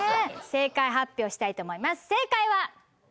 正解発表したいと思います正解は！